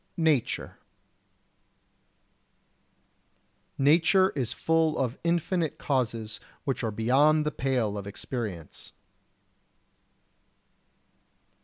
[Sidenote: Nature] 49. Nature is full of infinite causes which are beyond the pale of experience.